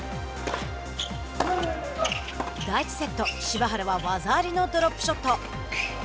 第１セット、柴原は技ありのドロップショット。